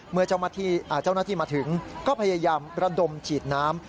เมื่อเจ้าหน้าที่มาถึงก็พยายามระดมฉีดน้ำ